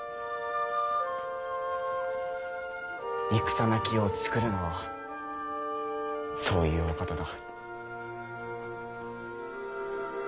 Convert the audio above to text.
戦なき世を作るのはそういうお方だ。